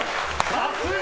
さすが！